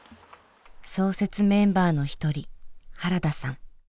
創設メンバーの一人原田さん。